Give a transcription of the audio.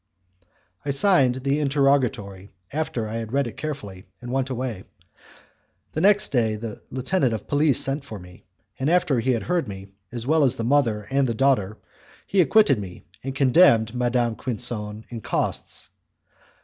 I signed the interrogatory after I had read it carefully, and went away. The next day the lieutenant of police sent for me, and after he had heard me, as well as the mother and the daughter, he acquitted me and condemned Madame Quinson in costs.